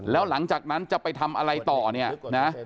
แล้วหลังจากนั้นจะไปทำอะไรต่อเนี่ยนะ